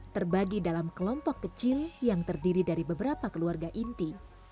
terbagi dalam kelompok kecil yang terdiri dari beberapa keluarga inti